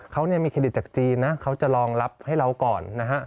เขามีเครดิตจากจีนนะเขาจะรองรับให้เราก่อนนะฮะ